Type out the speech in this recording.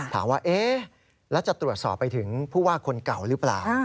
ถามว่าเอ๊ะแล้วจะตรวจสอบไปถึงผู้ว่าคนเก่าหรือเปล่า